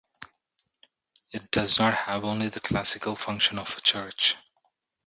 It does not have only the classical function of a church.